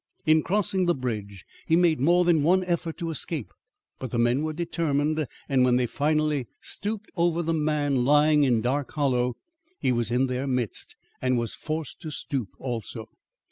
"In crossing the bridge he made more than one effort to escape, but the men were determined, and when they finally stooped over the man lying in Dark Hollow, he was in their midst and was forced to stoop also.